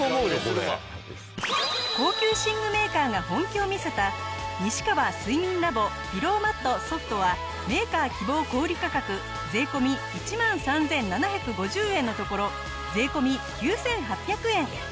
高級寝具メーカーが本気を見せた西川睡眠ＬａｂｏピローマットＳｏｆｔはメーカー希望小売価格税込１万３７５０円のところ税込９８００円。